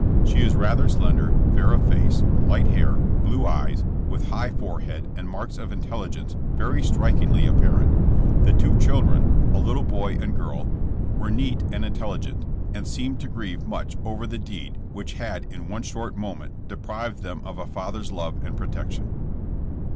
She is rather slender, fair of face, light hair, blue eyes, with high forehead and marks of intelligence very strikingly apparent. The two children, a little boy and girl, were neat and intelligeijt, and seemed to grieve much over the deed which had in one short moment deprived them of a father ^s love and protection.